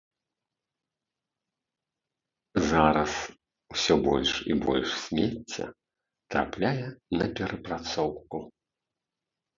Зараз ўсё больш і больш смецця трапляе на перапрацоўку.